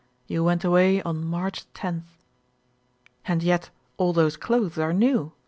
"You went away on March loth." "And yet all those clothes are new?"